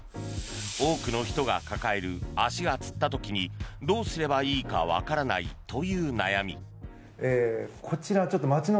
多くの人が抱える足がつった時にどうすればいいかわからないという悩み。